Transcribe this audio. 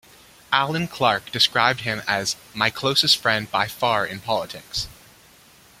Alan Clark described him as "my closest friend by far in politics".